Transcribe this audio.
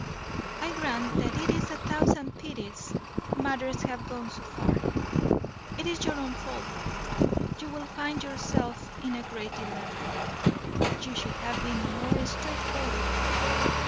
I grant that it is a thousand pities matters have gone so far; it is your own fault; you will find yourself in a great dilemma: you should have been more straightforward.